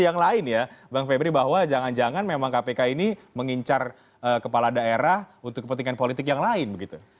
yang lain ya bang febri bahwa jangan jangan memang kpk ini mengincar kepala daerah untuk kepentingan politik yang lain begitu